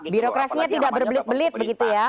birokrasinya tidak berbelit belit begitu ya